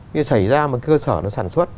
như xảy ra một cơ sở nó sản xuất